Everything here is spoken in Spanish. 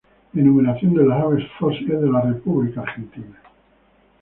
Enumeración de las aves fósiles de la República Argentina.